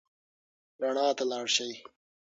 رڼا ته لاړ شئ.